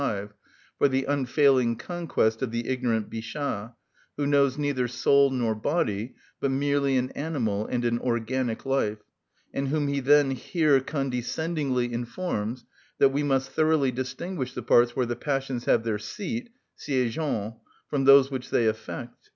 135), for the unfailing conquest of the ignorant Bichat, who knows neither soul nor body, but merely an animal and an organic life, and whom he then here condescendingly informs that we must thoroughly distinguish the parts where the passions have their seat (siègent) from those which they affect.